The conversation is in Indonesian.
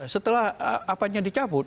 setelah apanya dicabut